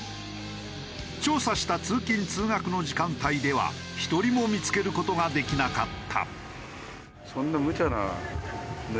調査した通勤通学の時間帯では１人も見付ける事ができなかった。